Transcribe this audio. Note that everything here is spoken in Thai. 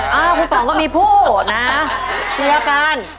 ค่ะครูปองก็มีผู้นะโชเชียร์กัน